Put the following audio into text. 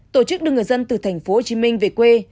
tổ chức đưa người dân từ tp hcm về quê